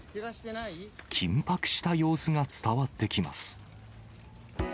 緊迫した様子が伝わってきます。